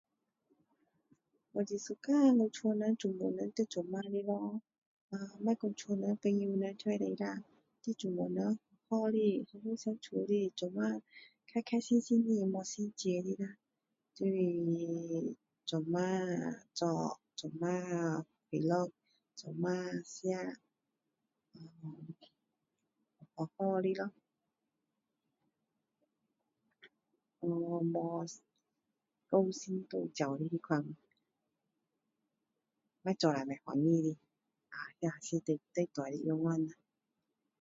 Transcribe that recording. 我很喜欢我的家人全部人在一起的咯，不要说是家人，朋友也可以啦！就是全部人好好的，好好相处，一起开开心心的，没心结的啦，就是一起做，一起快乐，一起吃，好好的咯，没有勾心斗角的那款，做了不欢喜的，啊那是最大的愿望啦！